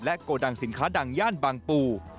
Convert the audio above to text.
โกดังสินค้าดังย่านบางปู